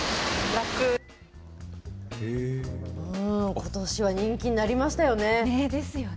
ことしは人気になりましたよね。